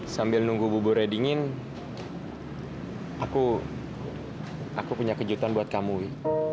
sambil nunggu buburnya dingin aku punya kejutan buat kamu ya